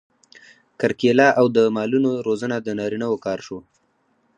کرکیله او د مالونو روزنه د نارینه وو کار شو.